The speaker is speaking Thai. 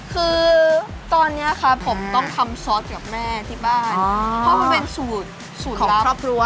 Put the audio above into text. คือตอนนี้ครับผมต้องทำซอสกับแม่ที่บ้านเพราะมันเป็นสูตรสูตรของครอบครัว